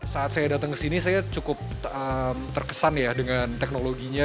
saat saya datang ke sini saya cukup terkesan ya dengan teknologinya